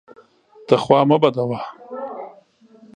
ته خوا مه بدوه!